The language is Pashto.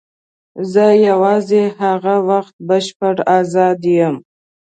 زه یوازې هغه وخت بشپړ آزاد یم.